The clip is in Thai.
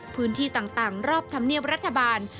พื้นที่ต่างรอบธรรมเนียบรัฐบาล